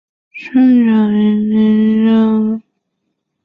三角银鳞蛛为肖鞘科银鳞蛛属的动物。